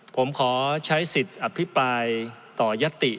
ผมขอใช้สิทธิ์อภิปรายต่อยัตติ